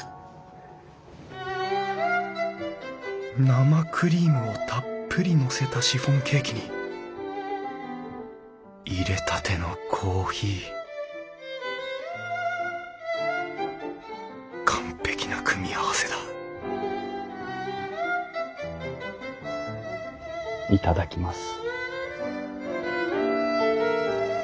生クリームをたっぷりのせたシフォンケーキにいれたてのコーヒー完璧な組み合わせだ頂きます。